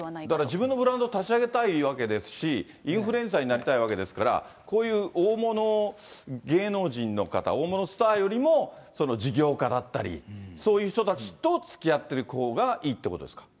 自分のブランド立ち上げたいわけですし、インフルエンサーになりたいわけですから、こういう大物芸能人の方、大物スターよりも事業家だったり、そういう人たちとつきあってるほうがいいってことですか。